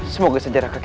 semoga sejarah kekejaran